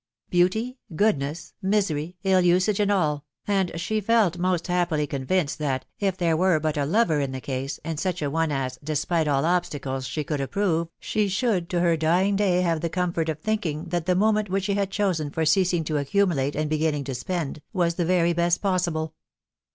. beauty, goodness, misery, ill usage, and all ; and she felt most happily convinced that^ if there were but a lover in the case, and such a one as, despite all obstacles, she could approve, she should to her dying day have the comfort of thinking that the moment which she had chosen for ceasing to accumulate, and beginning to spend, was the very best possible.